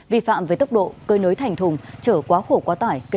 vi phạm về tốc độ cơi nới thành thùng trở quá khổ quá tải